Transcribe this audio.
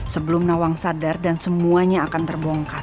sebelum nawang sadar dan semuanya akan terbongkar